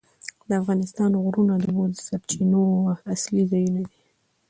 د افغانستان غرونه د اوبو د سرچینو اصلي ځایونه دي.